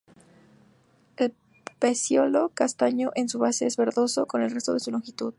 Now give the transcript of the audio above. El peciolo, castaño en su base, es verdoso en el resto de su longitud.